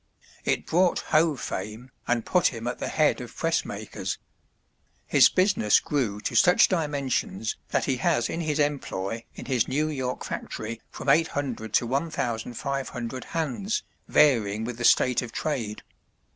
It brought Hoe fame and put him at the head of press makers. His business grew to such dimensions that he has in his employ in his New York factory from 800 to 1,500 hands, varying with the state of trade.